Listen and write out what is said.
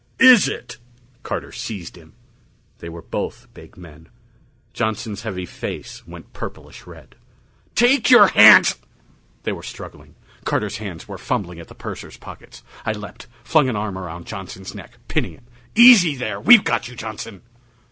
"Is it?" Carter seized him. They were both big men. Johnson's heavy face went purplish red. "Take your hands !" They were struggling. Carter's hands were fumbling at the purser's pockets. I leaped, flung an arm around Johnson's neck, pinning him. "Easy there! We've got you, Johnson!"